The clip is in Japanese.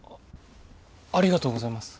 ありがとうございます。